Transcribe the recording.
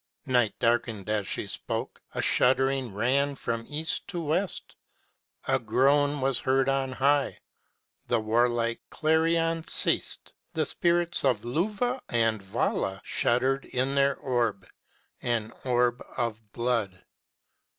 Night darkened as she spoke, a shuddering ran from East to West. A groan was heard on high. The warlike clarion ceased, the spirits Of Luvah and Vala shuddered in their orb, an orb of blood.